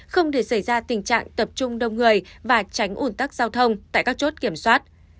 không để xảy ra tình trạng tập trung đông người và tránh ủn tắc giao thông tại các chốt kiểm soát